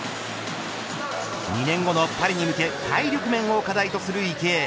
２年後のパリに向け体力面を課題とする池江。